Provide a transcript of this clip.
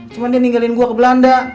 cuma dia ninggalin gue ke belanda